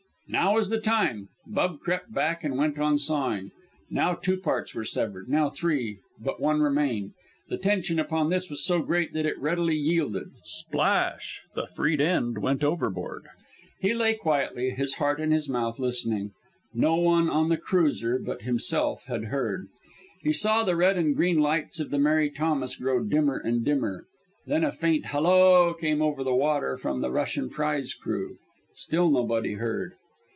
Now was the time! Bub crept back and went on sawing. Now two parts were severed. Now three. But one remained. The tension upon this was so great that it readily yielded. Splash! The freed end went overboard. He lay quietly, his heart in his mouth, listening. No one on the cruiser but himself had heard. He saw the red and green lights of the Mary Thomas grow dimmer and dimmer. Then a faint hallo came over the water from the Russian prize crew. Still nobody heard.